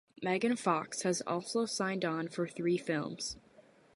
Megan Fox has also signed on for three films.